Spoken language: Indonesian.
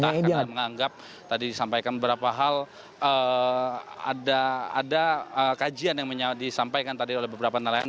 karena menganggap tadi disampaikan beberapa hal ada kajian yang disampaikan tadi oleh beberapa nelayan